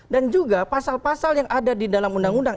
dan juga pasal pasal yang ada di dalam undang undang